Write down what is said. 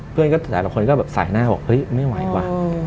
เพื่อนก็แต่ละคนก็แบบสายหน้าบอกเฮ้ยไม่ไหวว่ะ